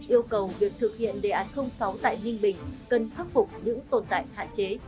yêu cầu việc thực hiện đề án sáu tại ninh bình cần khắc phục những tồn tại hạn chế